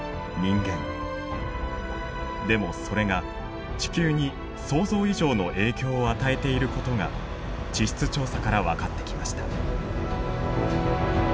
でもそれが地球に想像以上の影響を与えていることが地質調査から分かってきました。